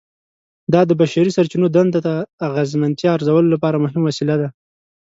دا د بشري سرچینو دندو د اغیزمنتیا ارزولو لپاره مهمه وسیله ده.